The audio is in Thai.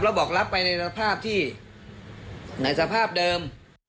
แล้วบอกรับไปในสภาพที่ในสภาพเดิม